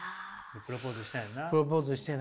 プロポーズしたんやな。